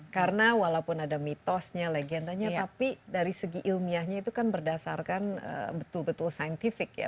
karena walaupun ada mitosnya legendanya tapi dari segi ilmiahnya itu kan berdasarkan betul betul scientific ya